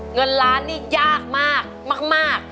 เงินล้านนี่ยากมากมาก